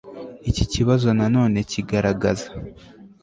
iki kibazo na none kigaragaza